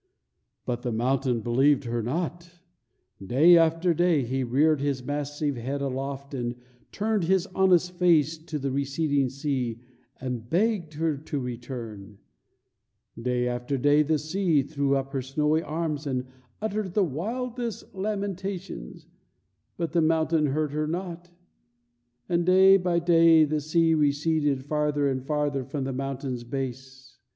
But the mountain believed her not. Day after day he reared his massive head aloft and turned his honest face to the receding sea and begged her to return; day after day the sea threw up her snowy arms and uttered the wildest lamentations, but the mountain heard her not; and day by day the sea receded farther and farther from the mountain's base.